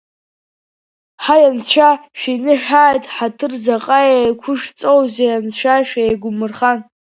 Ҳаи, анцәа шәиныҳәааит, ҳаҭыр заҟа еиқәышәҵоузеи, анцәа шәеигумырхан!